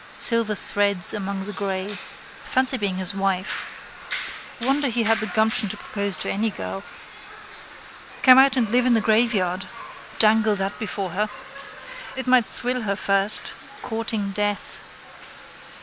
Silver threads among the grey. Fancy being his wife. Wonder he had the gumption to propose to any girl. Come out and live in the graveyard. Dangle that before her. It might thrill her first. Courting death.